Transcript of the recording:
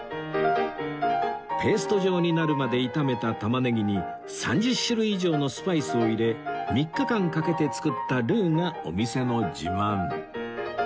ペースト状になるまで炒めたタマネギに３０種類以上のスパイスを入れ３日間かけて作ったルーがお店の自慢